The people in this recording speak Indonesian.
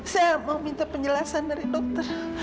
saya mau minta penjelasan dari dokter